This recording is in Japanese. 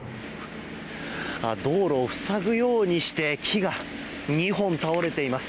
道路を塞ぐようにして木が２本倒れています。